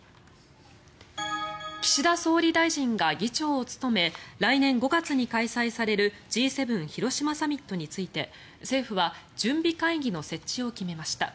岸田総理大臣が議長を務め来年５月に開催されるＧ７広島サミットについて政府は準備会議の設置を決めました。